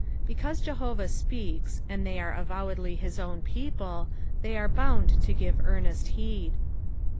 Because Jehovah speaks, and they are avowedly his own people, thcj are bound to give earnest becd.